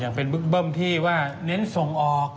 อ๋ออ๋ออย่างเป็นเบิ้มที่ว่าเน้นส่งออก